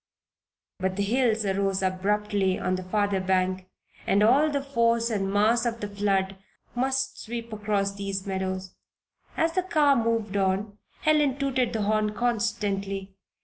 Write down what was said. But the hills arose abruptly on the farther bank and all the force and mass of the flood must sweep across these meadows. As the car moved on, Helen tooted the horn constantly.